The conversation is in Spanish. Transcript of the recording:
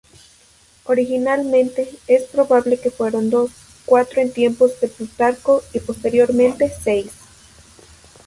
Originalmente, es probable que fueran dos, cuatro en tiempos de Plutarco y posteriormente, seis.